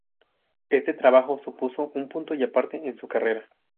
Este trabajo supuso un punto y aparte en su carrera.